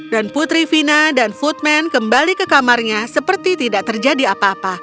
dan putri fina dan footman kembali ke kamarnya seperti tidak terjadi apa apa